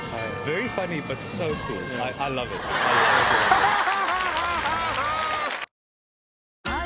ハハハハ！